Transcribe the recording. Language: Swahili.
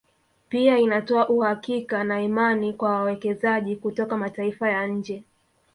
Pia inatoa uhakika na imani kwa wawekezaji kutoka mataifa ya nje